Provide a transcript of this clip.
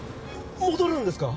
戻るんですか？